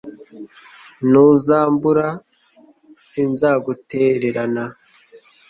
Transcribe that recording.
ntuzambura, sinzagutererana